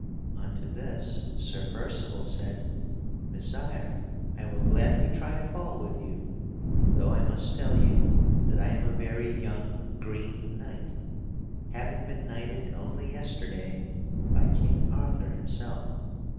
Unto this Sir Percival said: "Messire, I will gladly try a fall with you, though I must tell you that I am a very young green knight, having been knighted only yesterday by King Arthur himself.